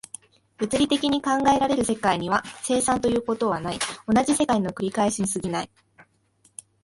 物理的に考えられる世界には、生産ということはない、同じ世界の繰り返しに過ぎない。